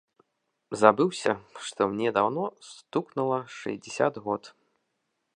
Забыўся, што мне даўно стукнула шэсцьдзесят год.